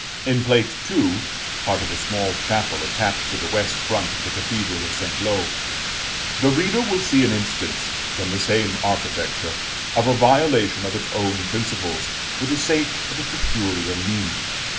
In plate II. (part of a small chapel attached to the West front of the Cathedral of St. Lo), the reader will see an instance, from the same architecture, of a violation of its own principles, for the sake of a peculiar meaning.